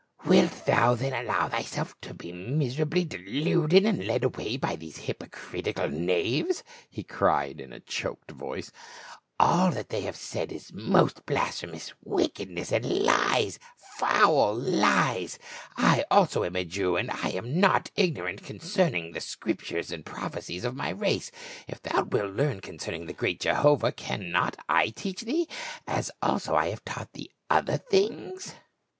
"Wilt thou then allow thyself to be miserably de luded and led away by these hypocritical knaves," he cried in a choked voice; "all that they have said is most blasphemous wickedness, and lies — foul lies ! I also am a Jew, and I am not ignorant concerning the Scriptures and prophecies of my race ; if thou wilt learn concerning the great Jehovah, can not I teach thee, as also I have taught thee other things